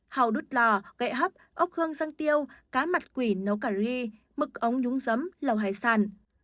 hậu đút lò gậy hấp ốc hương răng tiêu cá mặt quỷ nấu curry mực ống nhúng giấm lẩu hải sản